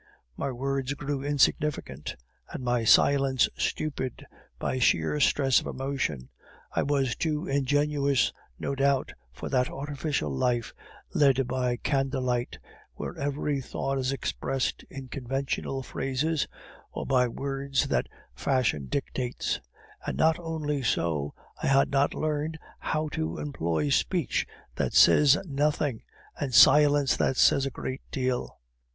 My words grew insignificant, and my silence stupid, by sheer stress of emotion. I was too ingenuous, no doubt, for that artificial life, led by candle light, where every thought is expressed in conventional phrases, or by words that fashion dictates; and not only so, I had not learned how to employ speech that says nothing, and silence that says a great deal.